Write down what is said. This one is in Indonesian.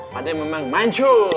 pak de memang mancul